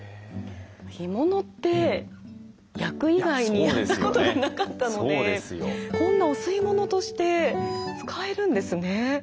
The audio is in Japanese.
干物って焼く以外にやったことがなかったのでこんなお吸い物として使えるんですね。